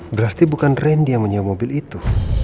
berarti bukan randy yang menyewa mobil itu